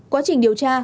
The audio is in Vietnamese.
quá trình điều tra